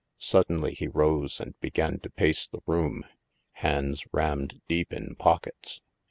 Suddenly he rose and began to pace the room, hands rammed deep in pockets.